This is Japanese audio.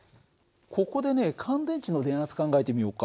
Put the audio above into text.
ここでね乾電池の電圧考えてみようか。